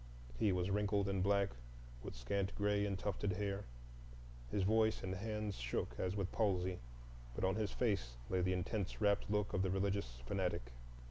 He was wrinkled and black, with scant gray and tufted hair; his voice and hands shook as with palsy; but on his face lay the intense rapt look of the religious fanatic.